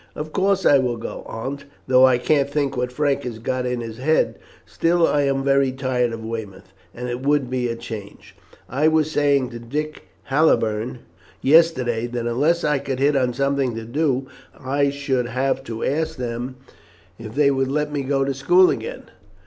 "Of course I will go, Aunt, though I can't think what Frank has got in his head. Still, I am very tired of Weymouth, and it will be a change. I was saying to Dick Halliburne yesterday that unless I could hit on something to do, I should have to ask them if they would let me go to school again."